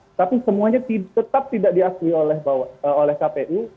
tetapi semuanya tetap tidak diakui oleh kpu